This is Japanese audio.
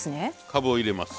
かぶを入れます。